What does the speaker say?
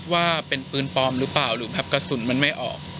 ว่าเป็นปืนปลอมหรือเปล่าหรือแบบกระสุนมันไม่ออก